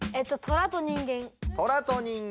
トラと人間。